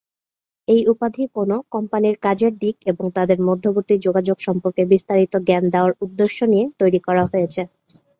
এই উপাধি কোনও কোম্পানির কাজের দিক এবং তাদের মধ্যবর্তী যোগাযোগ সম্পর্কে বিস্তারিত জ্ঞান দেওয়ার উদ্দেশ্য নিয়ে তৈরি করা হয়েছে।